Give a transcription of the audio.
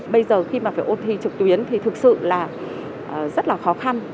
bây giờ khi mà phải ôn thi trực tuyến thì thực sự là rất là khó khăn